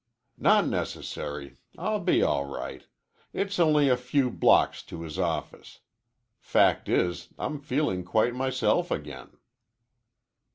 "Not necessary. I'll be all right. It's only a few blocks to his office. Fact is, I'm feeling quite myself again."